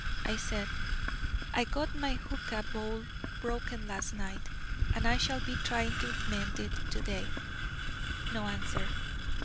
I said: 'I got my hookah bowl broken last night, and shall be trying to mend it to day.' No answer.